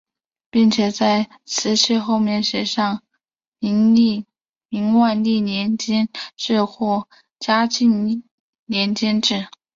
并且在瓷器后面写上明万历年间制或嘉靖年间制。